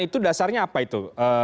itu dasarnya apa itu